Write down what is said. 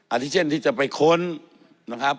ที่เช่นที่จะไปค้นนะครับ